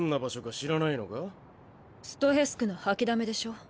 ストヘス区の掃きだめでしょ。